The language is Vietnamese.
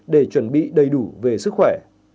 để chuẩn bị đầy đủ về sức khỏe